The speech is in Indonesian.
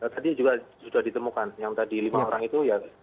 tadi juga sudah ditemukan yang tadi lima orang itu ya